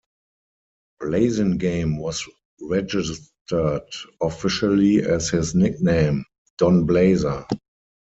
Blasingame was registered officially as his nickname, Don Blazer.